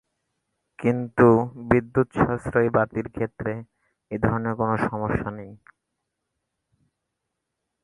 কিন্তু বিদ্যুৎ সাশ্রয়ী বাতির ক্ষেত্রে এ ধরনের কোনো সমস্যা নেই।